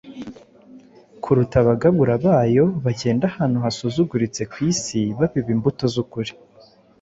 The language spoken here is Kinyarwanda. kuruta abagabura bayo bagenda ahantu hasuzuguritse ku isi babiba imbuto z’ukuri,